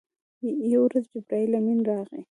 یوه ورځ جبرائیل امین راغی.